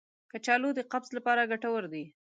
کچالو د قبض لپاره ګټور دی.